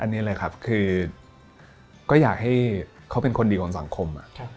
อันนี้เลยครับคือก็อยากให้เขาเป็นคนดีของสังคม